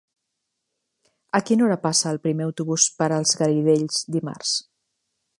A quina hora passa el primer autobús per els Garidells dimarts?